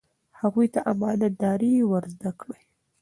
هغوی ته امانت داري ور زده کړئ.